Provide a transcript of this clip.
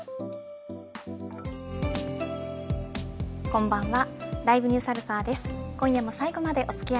こんばんは。